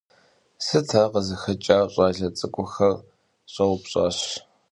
Sıt ar khızıxeç'ar? - ş'ale ts'ık'uxer ş'eupş'aş.